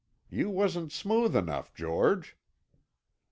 You wasn't smooth enough, George."